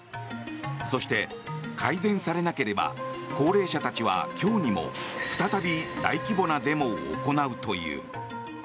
そして、改善されなければ高齢者たちは今日にも再び大規模なデモを行うという。